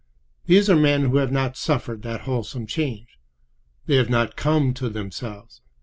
These are men who have not suffered that wholesome change. They have not come to themselves.